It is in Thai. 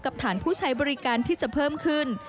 ฐานผู้ใช้บริการที่จะเพิ่มขึ้น